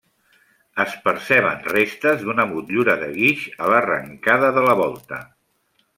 Es perceben restes d'una motllura de guix a l'arrencada de la volta.